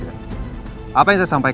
ini bunga yang saya beli